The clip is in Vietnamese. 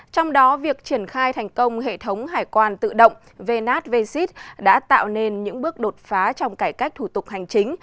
trong đó việc triển khai thành công hệ thống hải quan tự động vnat vxit đã tạo nên những bước đột phá trong cải cách thủ tục hành chính